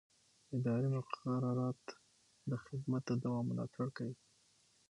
اداري مقررات د خدمت د دوام ملاتړ کوي.